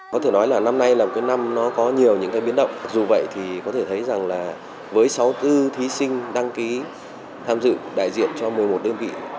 có thể nói là năm nay là một cái năm nó có nhiều những cái biến động dù vậy thì có thể thấy rằng là với sáu mươi bốn thí sinh đăng ký tham dự đại diện cho một mươi một đơn vị